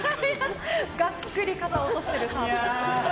がっくり、肩を落としている澤部さん。